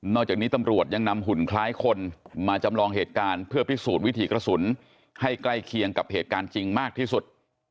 จากนี้ตำรวจยังนำหุ่นคล้ายคนมาจำลองเหตุการณ์เพื่อพิสูจน์วิถีกระสุนให้ใกล้เคียงกับเหตุการณ์จริงมากที่สุด